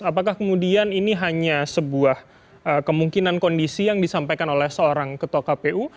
apakah kemudian ini hanya sebuah kemungkinan kondisi yang disampaikan oleh seorang ketua kpu